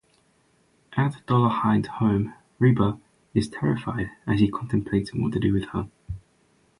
At Dollarhyde's home, Reba is terrified as he contemplates what to do with her.